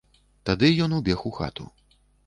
Тады ён убег у хату.